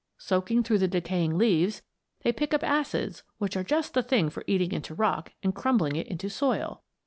Soaking through the decaying leaves, they pick up acids which are just the thing for eating into rock and crumbling it into soil.